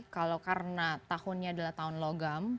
kalau karena tahunnya adalah tahun logam